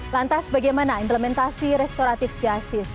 lantas bagaimana implementasi restoratif justice